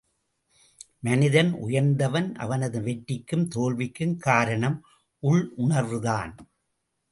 மனிதன் உயர்ந்தவன் அவனது வெற்றிக்கும் தோல்விக்கும் காரணம் உள் உணர்வுதான்.